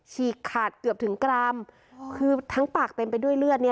ฉีกขาดเกือบถึงกรามคือทั้งปากเต็มไปด้วยเลือดเนี้ย